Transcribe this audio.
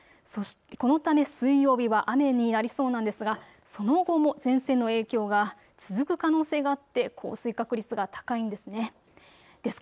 このため水曜日は雨になりそうなんですがその後も前線の影響が続く可能性があって降水確率が高いんです。